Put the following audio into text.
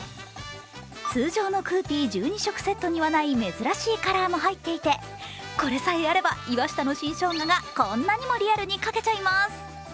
通常のクーピー１２色セットにはない珍しいカラーも入っていてこれさえあれば、岩下の新生姜がこんなにもリアルに描けちゃいます。